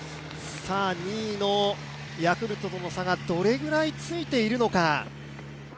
２位のヤクルトとの差がどれぐらいついているのか。